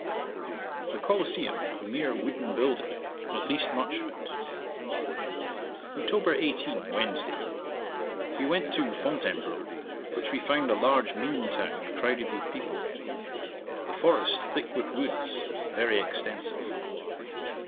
'The Colosseum a mere wooden building, at least much of it. 'Oct. 18. Wednesday. We went to Fontainebleau, which we found a large mean town, crowded with people. The forest thick with woods, very extensive.